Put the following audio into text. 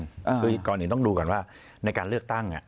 คือก่อนอื่นต้องดูก่อนว่าในการเลือกตั้ง